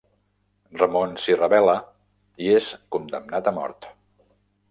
Ramon s'hi rebel·la i és condemnat a mort.